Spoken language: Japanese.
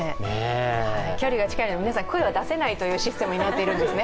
距離が近いので皆さん声は出せないというシステムになっているんですね。